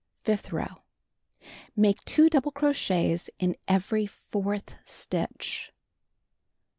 Fifth row: Make 2 double crochets in every fourth stitch.